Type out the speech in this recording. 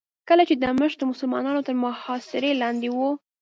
کله چې دمشق د مسلمانانو تر محاصرې لاندې و.